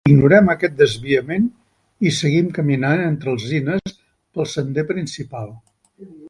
Ignorem aquest desviament i seguim caminant entre alzines pel sender principal.